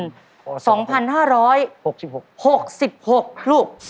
พ่อสองพันห้าร้อยหกสิบหกสิบหกลูก